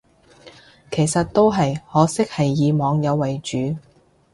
其實都係，可惜係以網友為主